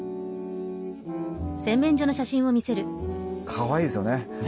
かわいいですよね。